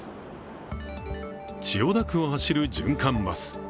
千代田区を走る循環バス。